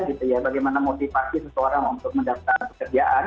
bagaimana motivasi seseorang untuk mendapatkan pekerjaan